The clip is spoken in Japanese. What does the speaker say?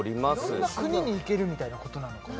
色んな国に行けるみたいなことなのかな